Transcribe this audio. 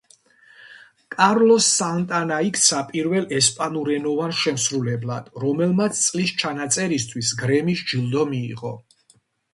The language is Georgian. კარლოს სანტანა იქცა პირველ ესპანურენოვან შემსრულებლად, რომელმაც წლის ჩანაწერისთვის გრემის ჯილდო მიიღო.